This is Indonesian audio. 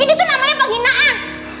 ini tuh namanya penghinaan